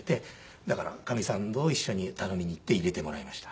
だからかみさんと一緒に頼みに行って入れてもらいました。